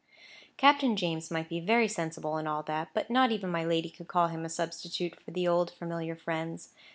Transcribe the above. Captain James might be very sensible, and all that; but not even my lady could call him a substitute for the old familiar friends.